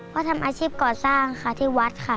ก็ทำอาชีพก่อสร้างค่ะที่วัดค่ะ